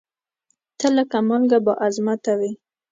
ته لکه مالکه بااعظمته وې